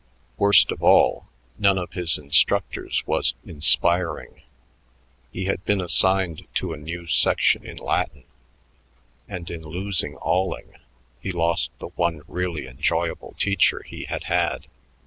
Worst of all, none of his instructors was inspiring. He had been assigned to a new section in Latin, and in losing Alling he lost the one really enjoyable teacher he had had.